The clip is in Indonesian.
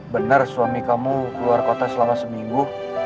benar suami kamu keluar kota selama seminggu